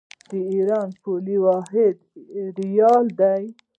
د ایران پولي واحد ریال دی.